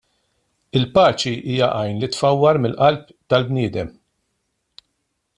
Il-paċi hija għajn li tfawwar mill-qalb tal-bniedem.